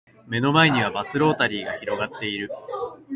目の前にはバスロータリーが広がっている